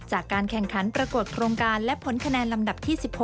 จากการแข่งขันปรากฏโครงการและผลคะแนนลำดับที่๑๖